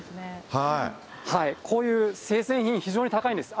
こういう生鮮品、非常に高いんです。